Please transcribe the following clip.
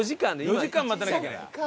４時間待たなきゃいけない。